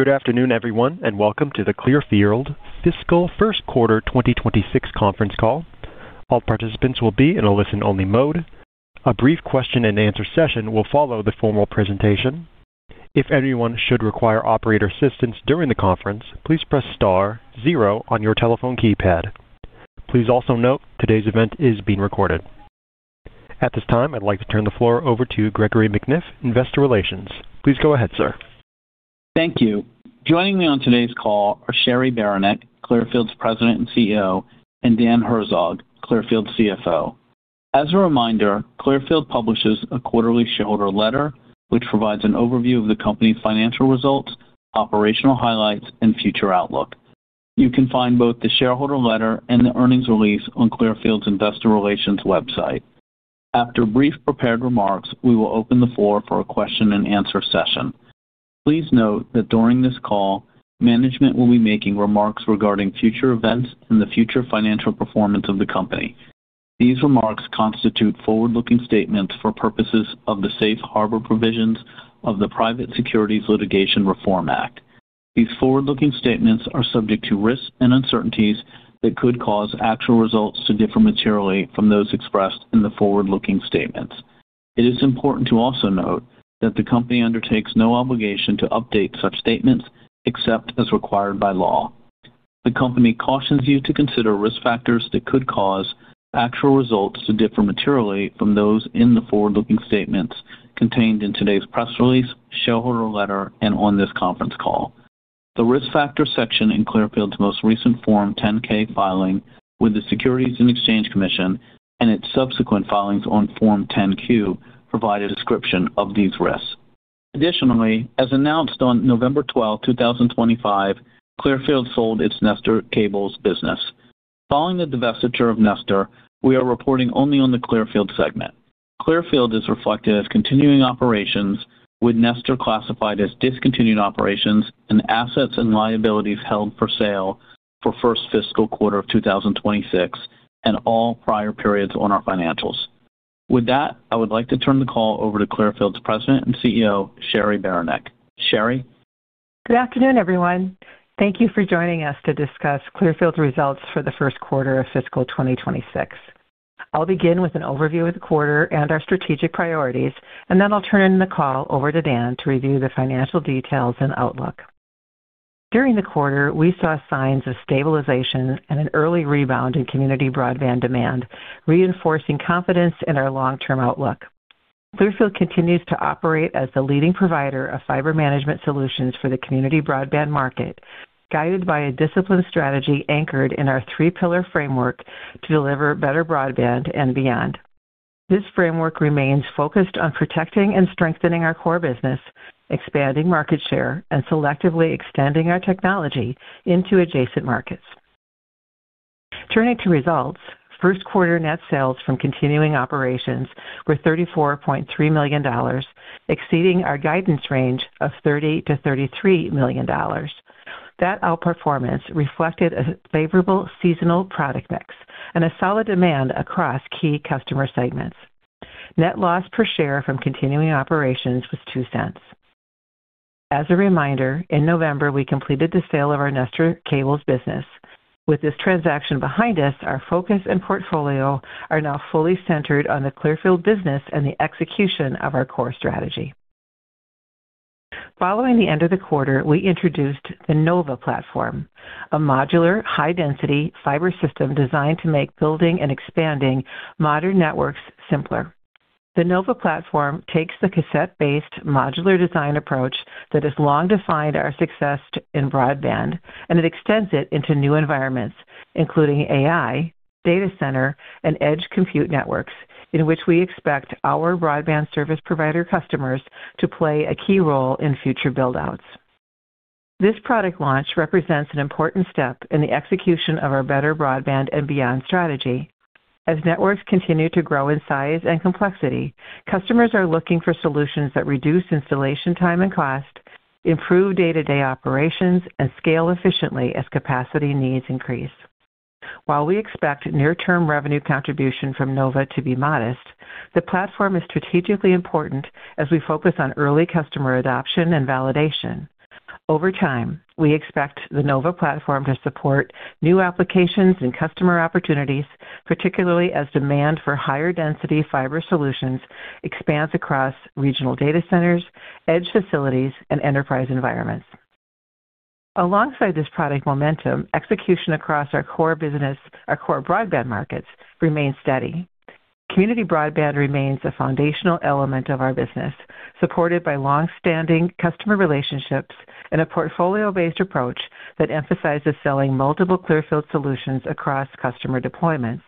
Good afternoon, everyone, and welcome to the Clearfield Fiscal First Quarter 2026 Conference Call. All participants will be in a listen-only mode. A brief question and answer session will follow the formal presentation. If anyone should require operator assistance during the conference, please press star zero on your telephone keypad. Please also note, today's event is being recorded. At this time, I'd like to turn the floor over to Gregory McNiff, Investor Relations. Please go ahead, sir. Thank you. Joining me on today's call are Cheri Beranek, Clearfield's President and CEO, and Dan Herzog, Clearfield's CFO. As a reminder, Clearfield publishes a quarterly shareholder letter, which provides an overview of the company's financial results, operational highlights, and future outlook. You can find both the shareholder letter and the earnings release on Clearfield's Investor Relations website. After brief prepared remarks, we will open the floor for a question-and-answer session. Please note that during this call, management will be making remarks regarding future events and the future financial performance of the company. These remarks constitute forward-looking statements for purposes of the Safe Harbor provisions of the Private Securities Litigation Reform Act. These forward-looking statements are subject to risks and uncertainties that could cause actual results to differ materially from those expressed in the forward-looking statements. It is important to also note that the company undertakes no obligation to update such statements except as required by law. The company cautions you to consider risk factors that could cause actual results to differ materially from those in the forward-looking statements contained in today's press release, shareholder letter, and on this conference call. The Risk Factors section in Clearfield's most recent Form 10-K filing with the Securities and Exchange Commission and its subsequent filings on Form 10-Q provide a description of these risks. Additionally, as announced on November 12, 2025, Clearfield sold its Nestor Cables business. Following the divestiture of Nestor, we are reporting only on the Clearfield segment. Clearfield is reflected as continuing operations, with Nestor classified as discontinued operations and assets and liabilities held for sale for first fiscal quarter of 2026 and all prior periods on our financials. With that, I would like to turn the call over to Clearfield's President and CEO, Cheri Beranek. Cheri? Good afternoon, everyone. Thank you for joining us to discuss Clearfield's results for the first quarter of fiscal 2026. I'll begin with an overview of the quarter and our strategic priorities, and then I'll turn the call over to Dan to review the financial details and outlook. During the quarter, we saw signs of stabilization and an early rebound in community broadband demand, reinforcing confidence in our long-term outlook. Clearfield continues to operate as the leading provider of fiber management solutions for the community broadband market, guided by a disciplined strategy anchored in our three pillar framework to deliver Better Broadband and Beyond. This framework remains focused on protecting and strengthening our core business, expanding market share, and selectively extending our technology into adjacent markets. Turning to results, first quarter net sales from continuing operations were $34.3 million, exceeding our guidance range of $30 million to $33 million. That outperformance reflected a favorable seasonal product mix and a solid demand across key customer segments. Net loss per share from continuing operations was $0.02. As a reminder, in November, we completed the sale of our Nestor Cables business. With this transaction behind us, our focus and portfolio are now fully centered on the Clearfield business and the execution of our core strategy. Following the end of the quarter, we introduced the Nova Platform, a modular, high-density fiber system designed to make building and expanding modern networks simpler. The Nova Platform takes the cassette-based modular design approach that has long defined our success in broadband, and it extends it into new environments, including AI, data center, and edge compute networks, in which we expect our broadband service provider customers to play a key role in future build-outs. This product launch represents an important step in the execution of our Better Broadband and Beyond strategy. As networks continue to grow in size and complexity, customers are looking for solutions that reduce installation time and cost, improve day-to-day operations, and scale efficiently as capacity needs increase. While we expect near-term revenue contribution from Nova to be modest, the platform is strategically important as we focus on early customer adoption and validation. Over time, we expect the Nova Platform to support new applications and customer opportunities, particularly as demand for higher density fiber solutions expands across regional data centers, edge facilities, and enterprise environments. Alongside this product momentum, execution across our core business, our core broadband markets remains steady. Community broadband remains a foundational element of our business, supported by long-standing customer relationships and a portfolio-based approach that emphasizes selling multiple Clearfield solutions across customer deployments.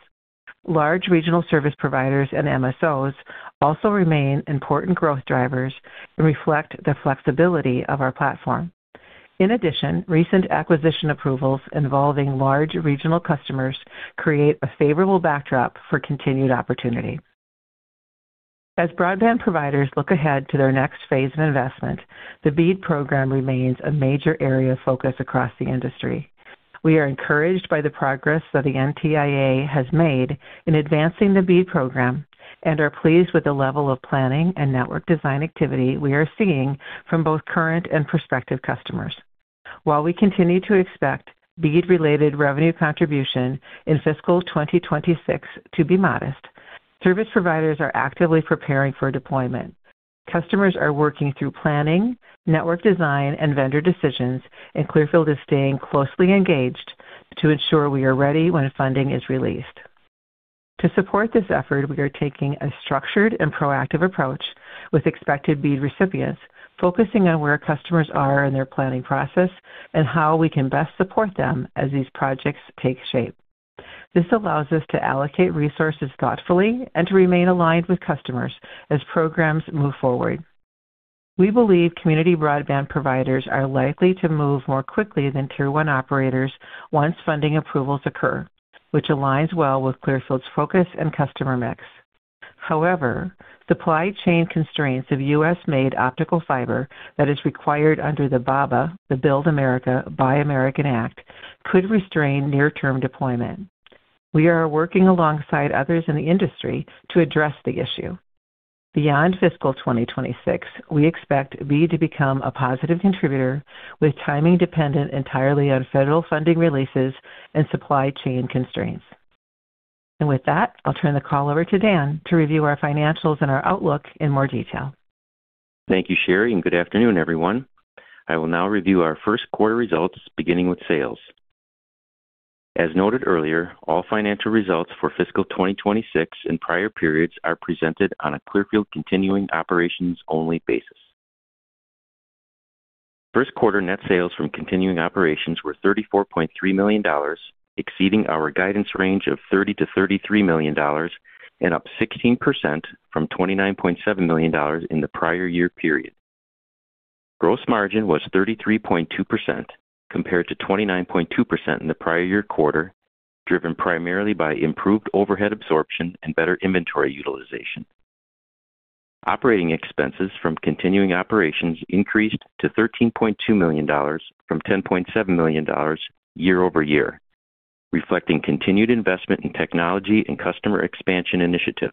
Large regional service providers and MSOs also remain important growth drivers and reflect the flexibility of our platform. In addition, recent acquisition approvals involving large regional customers create a favorable backdrop for continued opportunity. As broadband providers look ahead to their next phase of investment, the BEAD program remains a major area of focus across the industry. We are encouraged by the progress that the NTIA has made in advancing the BEAD program and are pleased with the level of planning and network design activity we are seeing from both current and prospective customers. While we continue to expect BEAD-related revenue contribution in fiscal 2026 to be modest, service providers are actively preparing for deployment. Customers are working through planning, network design, and vendor decisions, and Clearfield is staying closely engaged to ensure we are ready when funding is released. To support this effort, we are taking a structured and proactive approach with expected BEAD recipients, focusing on where customers are in their planning process and how we can best support them as these projects take shape. This allows us to allocate resources thoughtfully and to remain aligned with customers as programs move forward. We believe community broadband providers are likely to move more quickly than Tier One operators once funding approvals occur, which aligns well with Clearfield's focus and customer mix. However, supply chain constraints of U.S.-made optical fiber that is required under the BABA, the Build America, Buy America Act, could restrain near-term deployment. We are working alongside others in the industry to address the issue. Beyond fiscal 2026, we expect BEAD to become a positive contributor, with timing dependent entirely on federal funding releases and supply chain constraints. With that, I'll turn the call over to Dan to review our financials and our outlook in more detail. Thank you, Cheri, and good afternoon, everyone. I will now review our first quarter results, beginning with sales. As noted earlier, all financial results for fiscal 2026 and prior periods are presented on a Clearfield continuing operations only basis. First quarter net sales from continuing operations were $34.3 million, exceeding our guidance range of $30 million to $33 million and up 16% from $29.7 million in the prior year period. Gross margin was 33.2% compared to 29.2% in the prior year quarter, driven primarily by improved overhead absorption and better inventory utilization. Operating expenses from continuing operations increased to $13.2 million from $10.7 million year-over-year, reflecting continued investment in technology and customer expansion initiatives.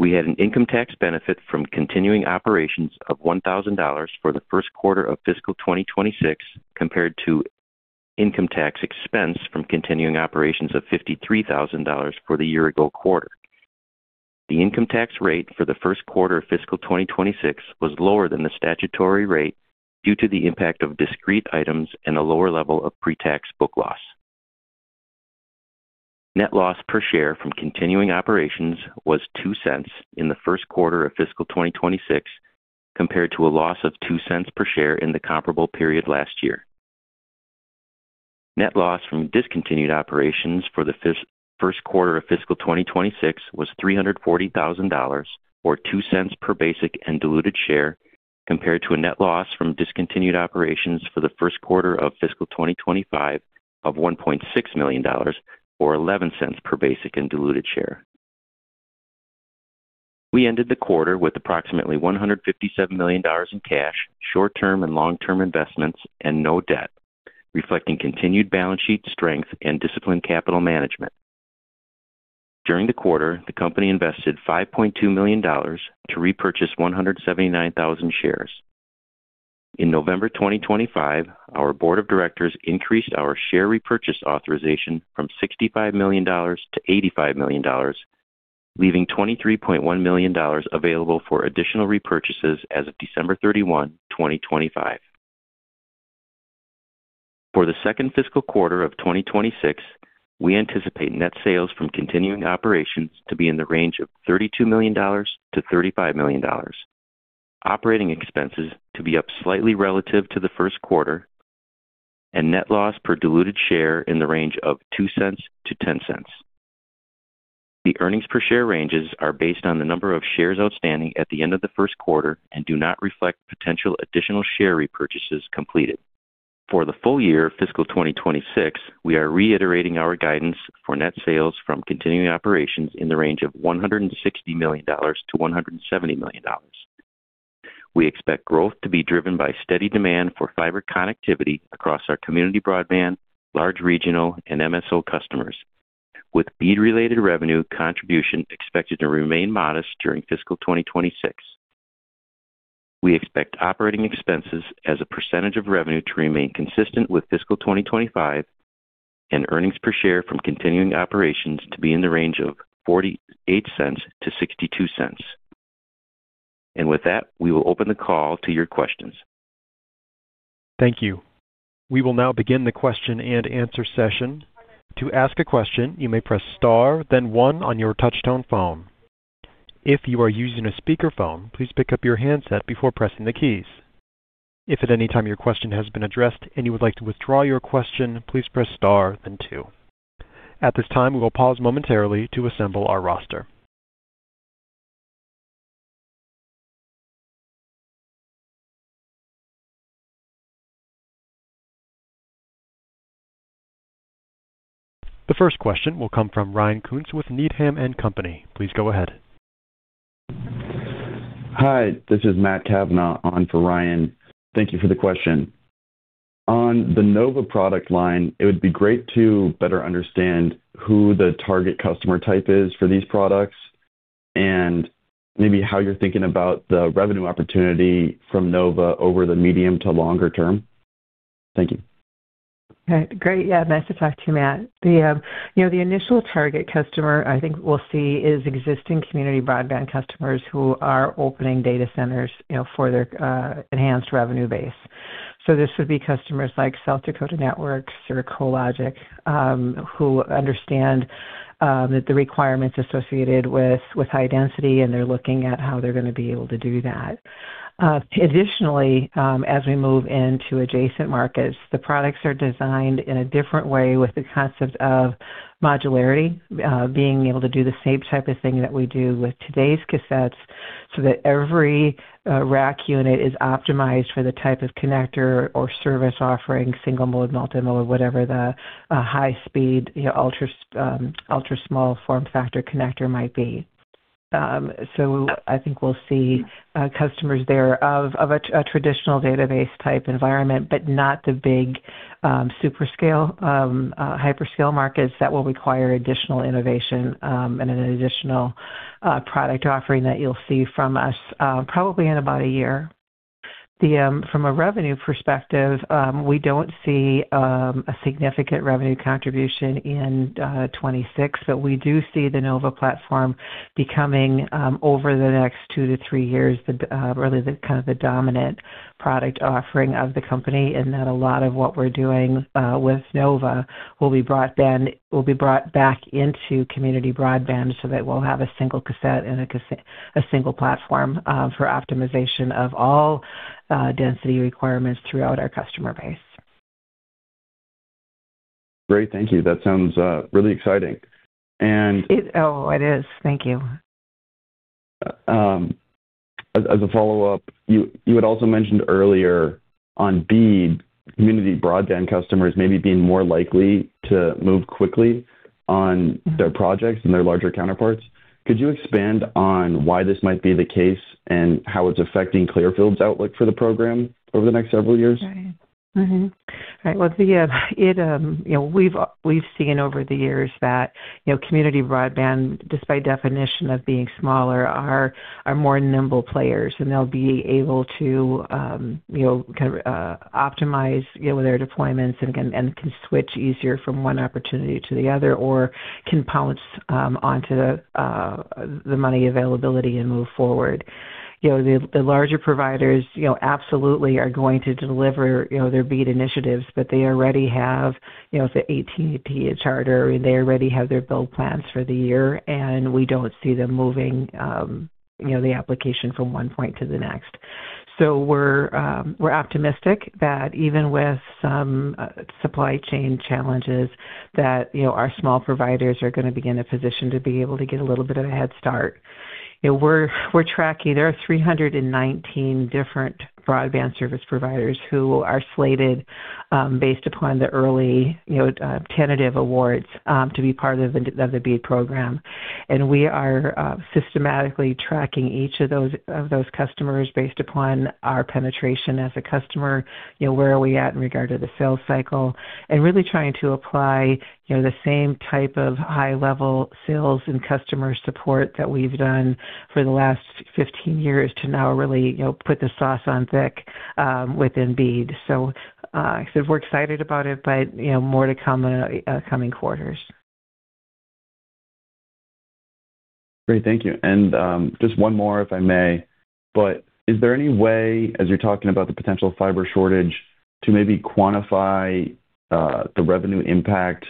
We had an income tax benefit from continuing operations of $1,000 for the first quarter of fiscal 2026, compared to income tax expense from continuing operations of $53,000 for the year ago quarter. The income tax rate for the first quarter of fiscal 2026 was lower than the statutory rate due to the impact of discrete items and a lower level of pre-tax book loss. Net loss per share from continuing operations was $0.02 in the first quarter of fiscal 2026, compared to a loss of $0.02 per share in the comparable period last year. Net loss from discontinued operations for the first quarter of fiscal 2026 was $340,000, or $0.02 per basic and diluted share, compared to a net loss from discontinued operations for the first quarter of fiscal 2025 of $1.6 million, or $0.11 per basic and diluted share. We ended the quarter with approximately $157 million in cash, short-term and long-term investments, and no debt, reflecting continued balance sheet strength and disciplined capital management. During the quarter, the company invested $5.2 million to repurchase 179,000 shares. In November 2025, our board of directors increased our share repurchase authorization from $65 million to $85 million, leaving $23.1 million available for additional repurchases as of December 31, 2025. For the second fiscal quarter of 2026, we anticipate net sales from continuing operations to be in the range of $32 million to $35 million, operating expenses to be up slightly relative to the first quarter, and net loss per diluted share in the range of $0.02 to $0.10. The earnings per share ranges are based on the number of shares outstanding at the end of the first quarter and do not reflect potential additional share repurchases completed. For the full year of fiscal 2026, we are reiterating our guidance for net sales from continuing operations in the range of $160 million to $170 million. We expect growth to be driven by steady demand for fiber connectivity across our community broadband, large regional, and MSO customers, with BEAD-related revenue contribution expected to remain modest during fiscal 2026. We expect operating expenses as a percentage of revenue to remain consistent with fiscal 2025, and earnings per share from continuing operations to be in the range of $0.48 to $0.62. With that, we will open the call to your questions. Thank you. We will now begin the question and answer session. To ask a question, you may press star, then one on your touchtone phone. If you are using a speakerphone, please pick up your handset before pressing the keys. If at any time your question has been addressed and you would like to withdraw your question, please press star then two. At this time, we will pause momentarily to assemble our roster. The first question will come from Ryan Koontz with Needham & Company. Please go ahead. Hi, this is Matt Cavanagh, on for Ryan. Thank you for the question. On the Nova product line, it would be great to better understand who the target customer type is for these products and maybe how you're thinking about the revenue opportunity from Nova over the medium to longer term. Thank you. Okay, great. Yeah, nice to talk to you, Matt. The, you know, the initial target customer I think we'll see is existing community broadband customers who are opening data centers, you know, for their, enhanced revenue base. So this would be customers like SDN Communications or Cologix, who understand, that the requirements associated with, with high density, and they're looking at how they're gonna be able to do that. Additionally, as we move into adjacent markets, the products are designed in a different way, with the concept of modularity, being able to do the same type of thing that we do with today's cassettes, so that every, rack unit is optimized for the type of connector or service offering, single-mode, multi-mode, or whatever the, high speed, you know, ultra, ultra small form factor connector might be. So, I think we'll see customers there of a traditional database type environment, but not the big super scale hyperscale markets that will require additional innovation and an additional product offering that you'll see from us, probably in about a year. From a revenue perspective, we don't see a significant revenue contribution in 2026, but we do see the Nova Platform becoming over the next 2-3 years really the kind of the dominant product offering of the company. And that a lot of what we're doing with Nova will be brought then, will be brought back into community broadband, so that we'll have a single cassette and a single platform for optimization of all density requirements throughout our customer base. Great. Thank you. That sounds really exciting. And. Oh, it is. Thank you. As a follow-up, you had also mentioned earlier on BEAD, community broadband customers maybe being more likely to move quickly on their projects than their larger counterparts. Could you expand on why this might be the case and how it's affecting Clearfield's outlook for the program over the next several years? Right. Right. Well, you know, we've seen over the years that, you know, community broadband, just by definition of being smaller, are more nimble players, and they'll be able to, you know, kind of optimize, you know, their deployments and can switch easier from one opportunity to the other or can pounce onto the money availability and move forward. You know, the larger providers, you know, absolutely are going to deliver, you know, their BEAD initiatives, but they already have, you know, if AT&T and Charter, they already have their build plans for the year, and we don't see them moving, you know, the application from one point to the next. We're optimistic that even with some supply chain challenges, you know, our small providers are gonna be in a position to be able to get a little bit of a head start. You know, we're tracking. There are 319 different broadband service providers who are slated, based upon the early, you know, tentative awards, to be part of the BEAD program. And we are systematically tracking each of those customers based upon our penetration as a customer. You know, where are we at in regard to the sales cycle? And really trying to apply, you know, the same type of high-level sales and customer support that we've done for the last 15 years to now really, you know, put the sauce on thick within BEAD. So, we're excited about it, but, you know, more to come in coming quarters. Great. Thank you. And, just one more, if I may, but is there any way, as you're talking about the potential fiber shortage, to maybe quantify, the revenue impact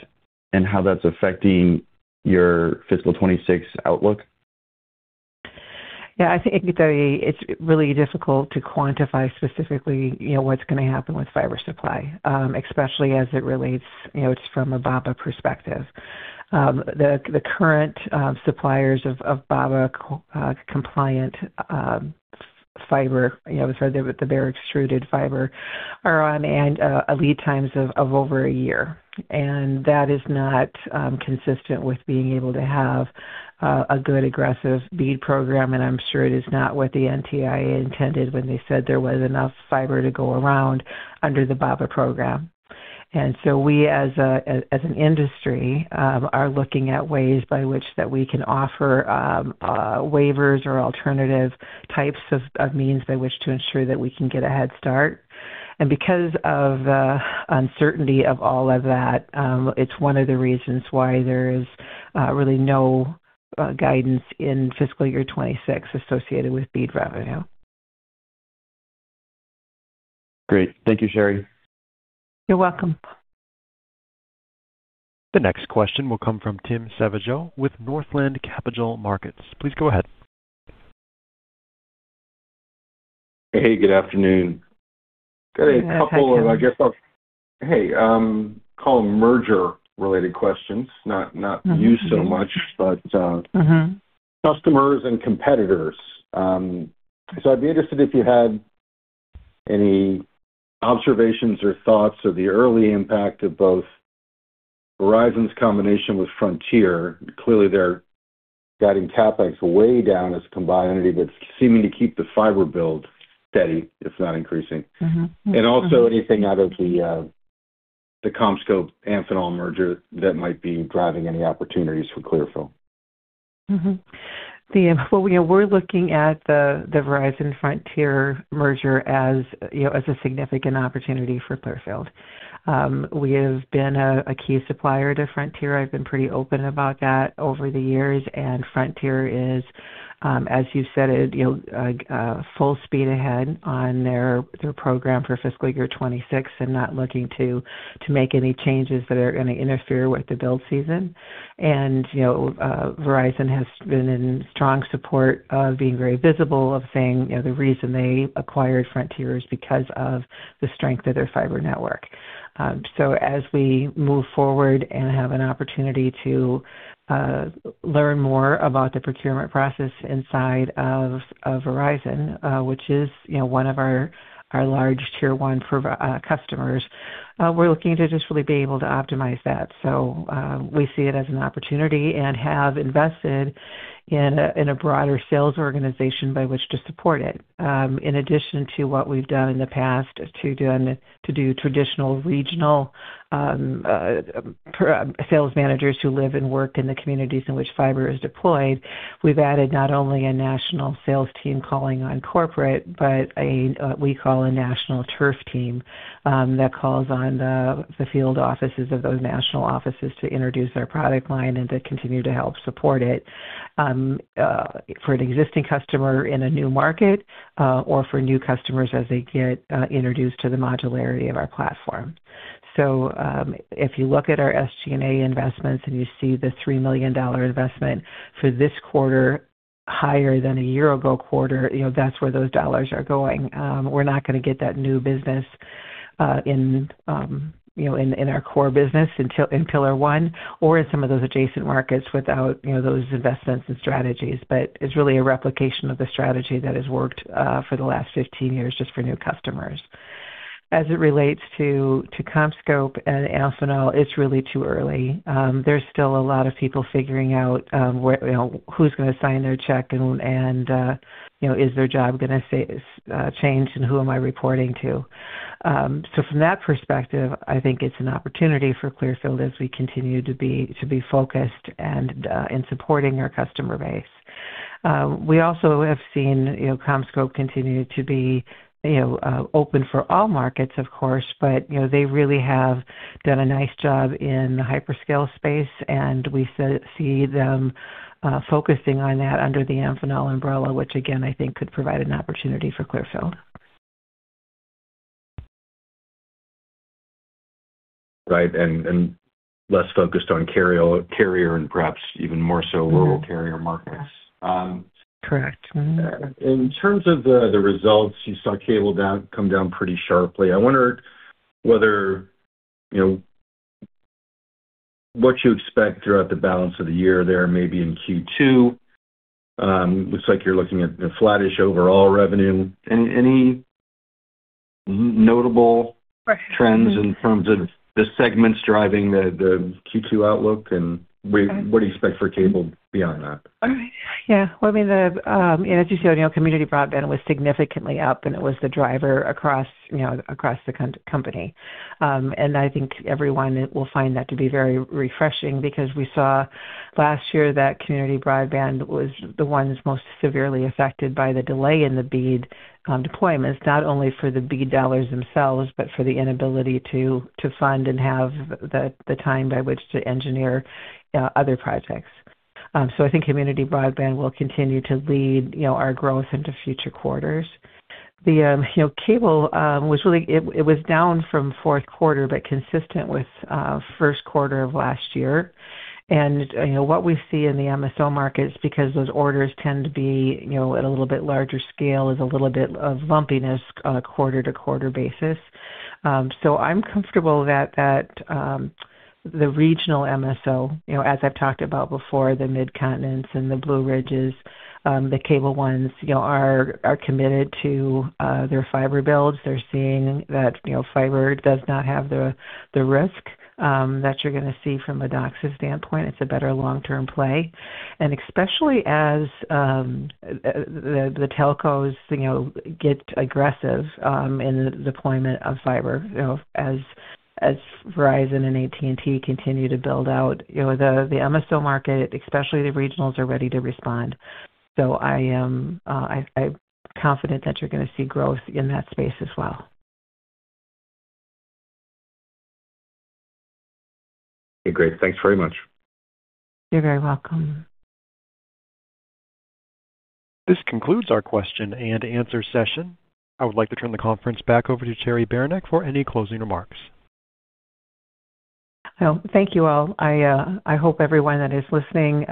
and how that's affecting your fiscal 2026 outlook? Yeah, I think it's really difficult to quantify specifically, you know, what's gonna happen with fiber supply, especially as it relates, you know, just from a BABA perspective. The current suppliers of BABA compliant fiber, you know, sorry, the bare extruded fiber, are on lead times of over a year. And that is not consistent with being able to have a good, aggressive BEAD program, and I'm sure it is not what the NTIA intended when they said there was enough fiber to go around under the BABA program. And so we as an industry are looking at ways by which we can offer waivers or alternative types of means by which to ensure that we can get a head start. Because of the uncertainty of all of that, it's one of the reasons why there is really no guidance in fiscal year 2026 associated with BEAD revenue. Great. Thank you, Cheri. You're welcome. The next question will come from Tim Savageaux with Northland Capital Markets. Please go ahead. Hey, good afternoon. Hey, Tim. Got a couple of, I guess, call them merger-related questions. Not you so much, but, customers and competitors. So I'd be interested if you had any observations or thoughts on the early impact of both Verizon's combination with Frontier. Clearly, they're guiding CapEx way down as a combined entity, but seeming to keep the fiber build steady, if not increasing. And also anything out of the CommScope and Amphenol merger that might be driving any opportunities for Clearfield? You know, we're looking at the Verizon-Frontier merger as, you know, as a significant opportunity for Clearfield. We have been a key supplier to Frontier. I've been pretty open about that over the years, and Frontier is, as you said, you know, full speed ahead on their program for fiscal year 2026 and not looking to make any changes that are gonna interfere with the build season. You know, Verizon has been in strong support of being very visible, of saying, you know, the reason they acquired Frontier is because of the strength of their fiber network. So as we move forward and have an opportunity to learn more about the procurement process inside of Verizon, which is, you know, one of our large Tier One customers, we're looking to just really be able to optimize that. So, we see it as an opportunity and have invested in a broader sales organization by which to support it. In addition to what we've done in the past to do traditional regional sales managers who live and work in the communities in which fiber is deployed, we've added not only a national sales team calling on corporate, but a, we call a national turf team, that calls on the field offices of those national offices to introduce our product line and to continue to help support it, for an existing customer in a new market, or for new customers as they get, introduced to the modularity of our platform. So, if you look at our SG&A investments and you see the $3 million investment for this quarter, higher than a year-ago quarter, you know, that's where those dollars are going. We're not gonna get that new business, you know, in our core business, in Pillar One or in some of those adjacent markets without, you know, those investments and strategies. But it's really a replication of the strategy that has worked for the last 15 years, just for new customers. As it relates to CommScope and Amphenol, it's really too early. There's still a lot of people figuring out, you know, who's gonna sign their check and, you know, is their job gonna change, and who am I reporting to? So from that perspective, I think it's an opportunity for Clearfield as we continue to be focused and in supporting our customer base. We also have seen, you know, CommScope continue to be, you know, open for all markets, of course, but, you know, they really have done a nice job in the hyperscale space, and we see them focusing on that under the Amphenol umbrella, which again, I think could provide an opportunity for Clearfield. Right, and less focused on carrier and perhaps even more so rural carrier markets. Correct. In terms of the results, you saw cable down, come down pretty sharply. I wonder whether, you know, what you expect throughout the balance of the year there, maybe in Q2? Looks like you're looking at a flattish overall revenue. Any notable trends in terms of the segments driving the Q2 outlook, and what do you expect for cable beyond that? Yeah. Well, I mean, the, as you see, you know, community broadband was significantly up, and it was the driver across, you know, across the company. And I think everyone will find that to be very refreshing because we saw last year that community broadband was the one that's most severely affected by the delay in the BEAD deployments, not only for the BEAD dollars themselves, but for the inability to fund and have the time by which to engineer other projects. So I think community broadband will continue to lead, you know, our growth into future quarters. The, you know, cable was really. It was down from fourth quarter, but consistent with first quarter of last year. You know, what we see in the MSO markets, because those orders tend to be, you know, at a little bit larger scale, is a little bit of bumpiness on a quarter-to-quarter basis. So I'm comfortable that the regional MSO, you know, as I've talked about before, the Midco and the Blue Ridge, the cable ones, you know, are committed to their fiber builds. They're seeing that, you know, fiber does not have the risk that you're gonna see from a DOCSIS standpoint. It's a better long-term play. And especially as the telcos, you know, get aggressive in the deployment of fiber, you know, as Verizon and AT&T continue to build out, you know, the MSO market, especially the regionals, are ready to respond. So, I'm confident that you're gonna see growth in that space as well. Okay, great. Thanks very much. You're very welcome. This concludes our question and answer session. I would like to turn the conference back over to Cheri Beranek for any closing remarks. Well, thank you all. I hope everyone that is listening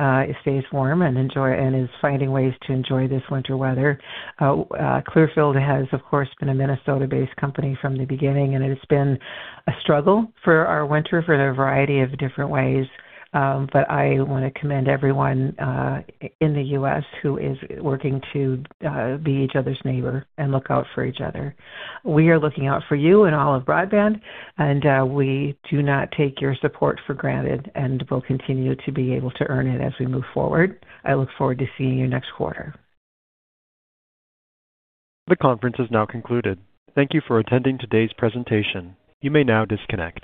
stays warm and enjoy, and is finding ways to enjoy this winter weather. Clearfield has, of course, been a Minnesota-based company from the beginning, and it has been a struggle for our winter for a variety of different ways. But I want to commend everyone in the U.S. who is working to be each other's neighbor and look out for each other. We are looking out for you and all of broadband, and we do not take your support for granted, and we'll continue to be able to earn it as we move forward. I look forward to seeing you next quarter. The conference is now concluded. Thank you for attending today's presentation. You may now disconnect.